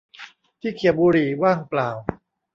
ที่เขี่ยบุหรี่ว่างเปล่า